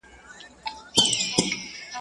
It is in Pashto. دووسه چي يو وار ورسې، نو بيا ولي مرور سې؟